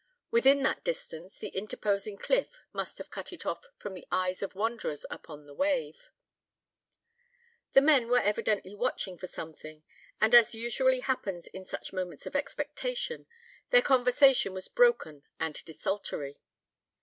Within that distance, the interposing cliff must have cut it off from the eyes of wanderers upon the wave. The men were evidently watching for something, and as usually happens in such moments of expectation, their conversation was broken and desultory.